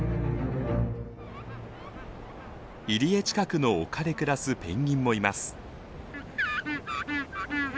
入り江近くの丘で暮らすペンギンもいます。